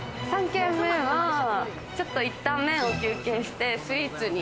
３軒目は、ちょっといったん麺を休憩してスイーツに。